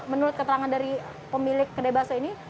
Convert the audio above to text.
menurut keterangan dari pemilik kedai bakso ini